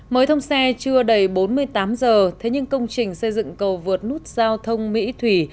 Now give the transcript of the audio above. mới thông xe chưa đầy bốn mươi tám giờ thế nhưng công trình xây dựng cầu vượt nút giao thông mỹ thủy